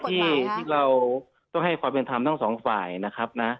ที่เราต้องให้ความเป็นธรรมทั้งสองฝ่ายนะครับนะ